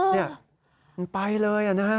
มันไปเลยอ่ะนะ